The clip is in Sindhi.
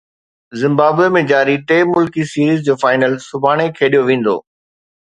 زمبابوي ۾ جاري ٽي ملڪي سيريز جو فائنل سڀاڻي کيڏيو ويندو